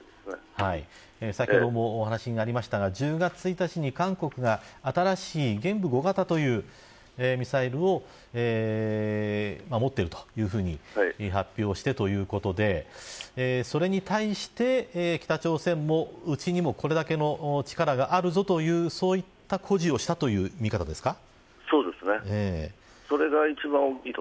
先ほどもお話になりましたが１０月１日に韓国が新しい玄武５型というミサイルを持っているというふうに発表してということでそれに対して北朝鮮もうちにもこれだけの力があるぞというそういった誇示をしたという見方ですか。